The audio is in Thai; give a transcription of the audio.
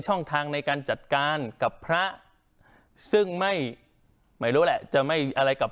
ช่องทางในการจัดการกับพระซึ่งไม่ไม่รู้แหละจะไม่อะไรกับ